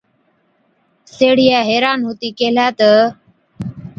سِيهڙِيئَي حيران هُتِي ڪيهلَي تہ،